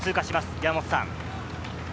山本さん。